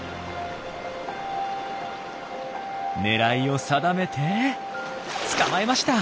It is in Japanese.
狙いを定めて捕まえました！